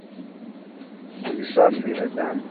Hunisafi na dhambi.